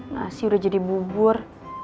nasi udah jadi bubur